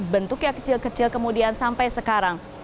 bentuknya kecil kecil kemudian sampai sekarang